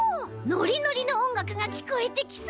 ノリノリのおんがくがきこえてきそう！